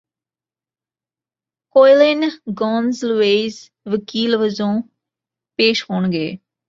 ઠਕੋਲਿਨ ਗੋਂਜਲਵੇਜ਼ ਵਕੀਲ ਵਜੋਂ ਪੇਸ਼ ਹੋਣਗੇ